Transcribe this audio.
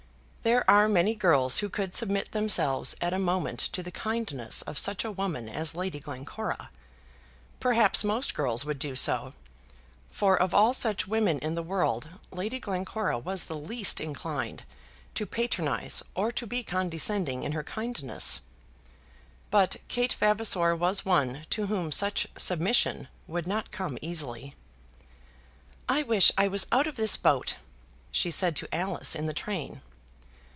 There are many girls who could submit themselves at a moment to the kindness of such a woman as Lady Glencora. Perhaps most girls would do so, for of all such women in the world, Lady Glencora was the least inclined to patronize or to be condescending in her kindnesses. But Kate Vavasor was one to whom such submission would not come easily. "I wish I was out of this boat," she said to Alice in the train.